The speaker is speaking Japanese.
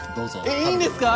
えっいいんですか？